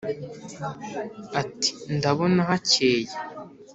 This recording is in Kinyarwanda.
ati: ndabona hakeye